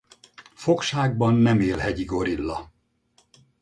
Fogságban nem él hegyi gorilla.